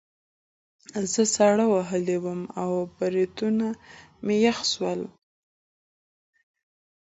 زه ساړه وهلی وم او بریتونه مې یخ نیولي وو